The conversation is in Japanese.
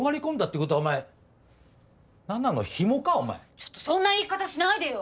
ちょっとそんな言い方しないでよ！